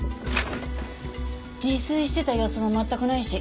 自炊してた様子も全くないし。